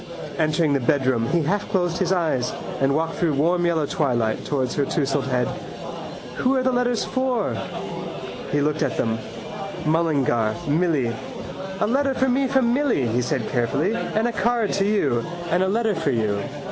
Entering the bedroom he halfclosed his eyes and walked through warm yellow twilight towards her tousled head. —Who are the letters for? He looked at them. Mullingar. Milly. —A letter for me from Milly, he said carefully, and a card to you. And a letter for you.